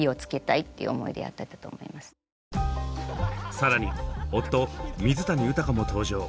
更に夫水谷豊も登場。